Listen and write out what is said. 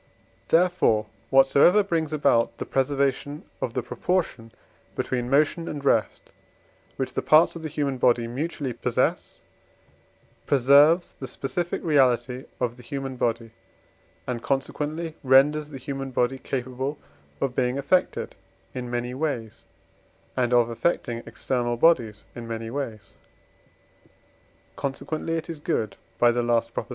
Therefore, whatsoever brings about the preservation of the proportion between motion and rest, which the parts of the human body mutually possess, preserves the specific reality of the human body, and consequently renders the human body capable of being affected in many ways and of affecting external bodies in many ways; consequently it is good (by the last Prop.).